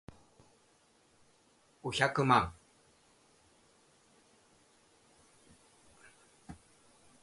五百万